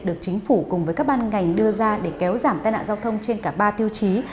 được chính phủ cùng với các ban ngành đưa ra để kéo giảm tai nạn giao thông trên cả ba tiêu chí